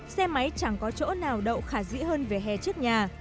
xe máy chẳng có chỗ nào đậu khả dĩ hơn về hè trước nhà